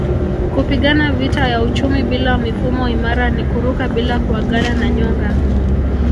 Kupigana vita ya uchumi bila mifumo imara ni kuruka bila kuagana na nyonga